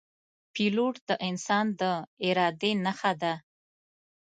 پیلوټ د انسان د ارادې نښه ده.